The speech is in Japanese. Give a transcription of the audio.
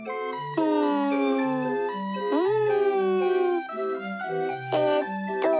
うんうん。